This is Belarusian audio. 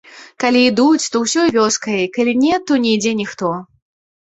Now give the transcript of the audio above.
Калі ідуць, то ўсёй вёскай, калі не, то не ідзе ніхто.